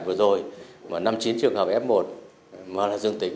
vừa rồi vào năm chín trường hợp f một mở ra dương tính